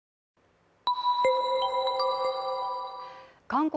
韓国